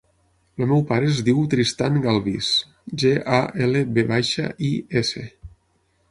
El meu pare es diu Tristan Galvis: ge, a, ela, ve baixa, i, essa.